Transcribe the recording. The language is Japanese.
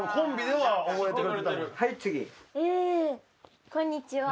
「ええこんにちは」